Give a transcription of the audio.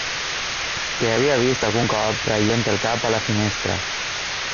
...que havia vist algun cop traient el cap a la finestra.